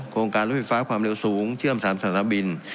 โครงการรถไฟฟ้าความเร็วสูงเชื่อม๓สนามบิน